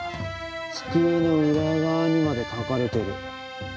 机の裏側にまで描かれてる。